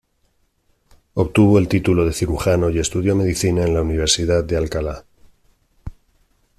Obtuvo el título de cirujano y estudió medicina en la Universidad de Alcalá.